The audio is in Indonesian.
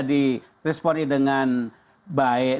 diresponin dengan baik